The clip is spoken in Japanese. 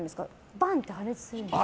バンって破裂するんですか？